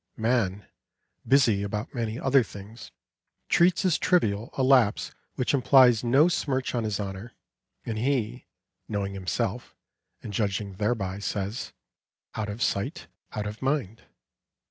Man, busy about many other things, treats as trivial a lapse which implies no smirch on his honour; and he, knowing himself and judging thereby, says, "Out of sight, out of mind."